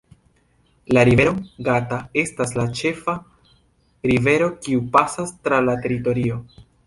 La Rivero Gata estas la ĉefa rivero kiu pasas tra la teritorio.